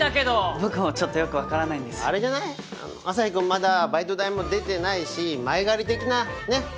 まだバイト代も出てないし前借り的なねっ。